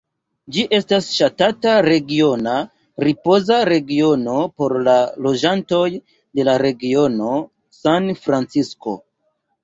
Ĝi estas ŝatata regiona ripoza regiono por la loĝantoj de la regiono San Francisko.